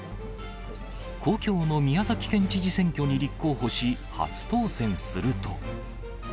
故郷の宮崎県知事選挙に立候補し、初当選すると。